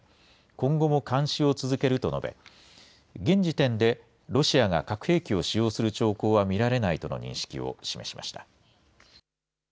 今後も監視を続けると述べ、現時点でロシアが核兵器を使用する兆候は見られないとの認識を示